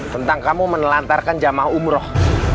tentang kamu menelantarkan jamaah umroh